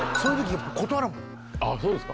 あっそうですか。